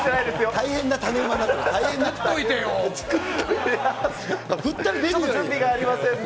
大変な種馬になってます。